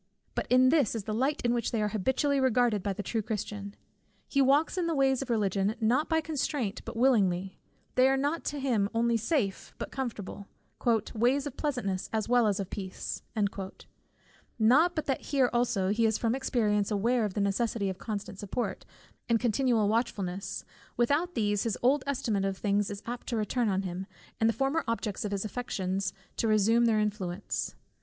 But this is the light in which they are habitually regarded by the true Christian. He walks in the ways of Religion, not by constraint, but willingly; they are to him not only safe, but comfortable; "ways of pleasantness as well as of peace." Not but that here also he is from experience aware of the necessity of constant support, and continual watchfulness; without these, his old estimate of things is apt to return on him, and the former objects of his affections to resume their influence.